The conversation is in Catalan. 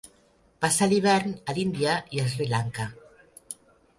Passa l'hivern a l'Índia i Sri Lanka.